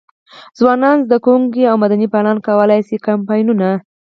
ځوانان، زده کوونکي او مدني فعالان کولای شي کمپاینونه.